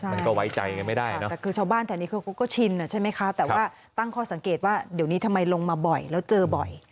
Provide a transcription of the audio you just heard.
มันก็ไว้ใจกันไม่ได้นะแต่คือชาวบ้านแถวนี้เขาก็ชินใช่ไหมคะแต่ว่าตั้งข้อสังเกตว่าเดี๋ยวนี้ทำไมลงมาบ่อยแล้วเจอบ่อย